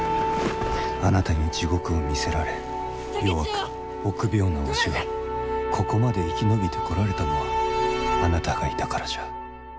あなたに地獄を見せられ弱く臆病なわしがここまで生き延びてこられたのはあなたがいたからじゃ。